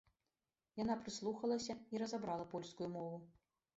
Яна прыслухалася і разабрала польскую мову.